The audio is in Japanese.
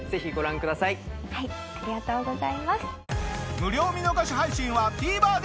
無料見逃し配信はＴＶｅｒで！